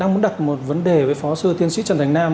muốn đặt một vấn đề với phó sư thiên sĩ trần thành nam